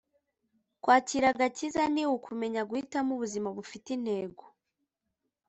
Kwakira agakiza ni ukumenya guhitamo ubuzima bufite intego